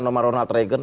dengan ronald reagan